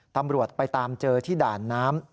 ตำรวจไปตามเจอที่ด่านน้ำ